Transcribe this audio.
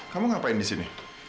kamu ngapain disini